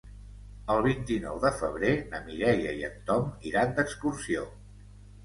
El vint-i-nou de febrer na Mireia i en Tom iran d'excursió.